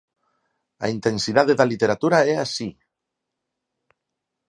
A intensidade da literatura é así.